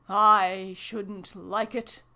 " I shouldn't like it !